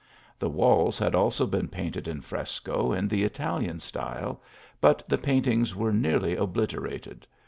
Tl .e walls had also been painted in fresco in the Italian style, but i the fainting? were .nearly obliterated.